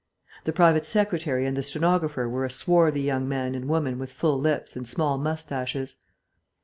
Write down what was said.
The private secretary and the stenographer were a swarthy young man and woman with full lips and small moustaches.